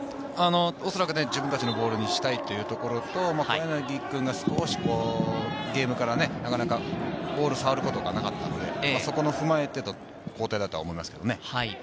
おそらく自分たちのボールにしたいというところ、小柳君が少しゲームからなかなかボールを触ることがなかったので、そこの踏まえての交代だと思いますけどね。